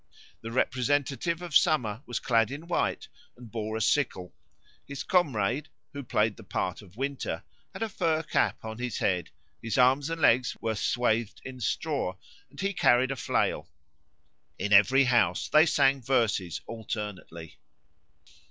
The representative of Summer was clad in white and bore a sickle; his comrade, who played the part of Winter, had a fur cap on his head, his arms and legs were swathed in straw, and he carried a flail. In every house they sang verses alternately.